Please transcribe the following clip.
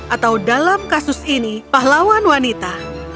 atau dalam kasus ini pahlawan wanita